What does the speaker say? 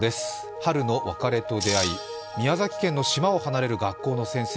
春の別れと出会い、宮崎県の島を離れる学校の先生